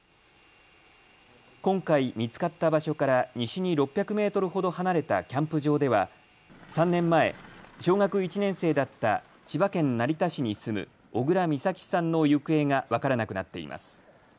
今回、見つかった場所から西に６００メートルほど離れたキャンプ場では、３年前、小学１年生だった千葉県成田市に住む小倉美咲さんの行方が分からなくなっています。